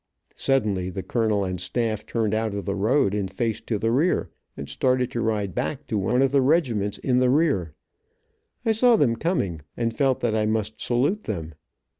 Suddenly the colonel and staff turned out of the road, and faced to the rear, and started to ride back to one of the regiments in the rear. I saw them coming, and felt that I must salute them.